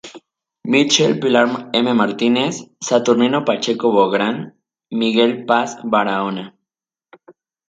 Mitchell, Pilar M. Martínez, Saturnino Pacheco Bográn, Miguel Paz Barahona.